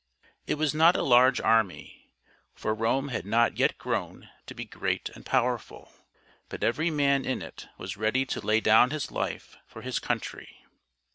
It was not a large army, for Rome had not yet grown to be great and power ful ; but every man in it was ready to lay down his life for his country.